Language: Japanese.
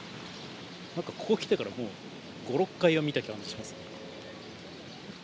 なんかここ来てからもう５、６回は見た感じしますね。